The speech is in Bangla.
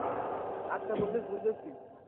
আচ্ছা, বুঝেছি, বুঝেছি।